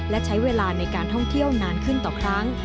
และใช้เวลาในการท่องเที่ยวนานขึ้นต่อครั้ง